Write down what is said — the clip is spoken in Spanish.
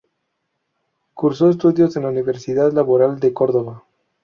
Cursó estudios en la Universidad Laboral de Córdoba.